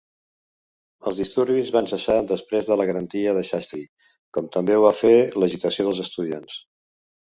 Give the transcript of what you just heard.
Els disturbis van cessar després de la garantia de Shastri, com també ho va fer l'agitació dels estudiants.